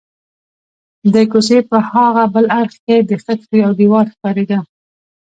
د کوڅې په هاغه بل اړخ کې د خښتو یو دېوال ښکارېده.